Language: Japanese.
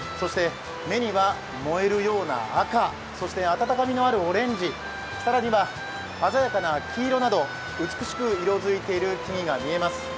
目には燃えるような赤、そして温かみのあるオレンジ、更には鮮やかな黄色など美しく色づいている木々が見えます。